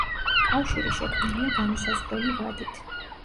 კავშირი შექმნილია განუსაზღვრელი ვადით.